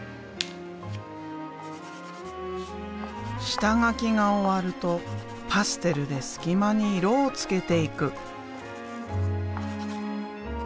下書きが終わるとパステルで隙間に色をつけていく。